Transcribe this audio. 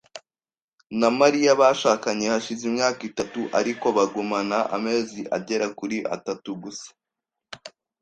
na Mariya bashakanye hashize imyaka itatu, ariko bagumana amezi agera kuri atatu gusa.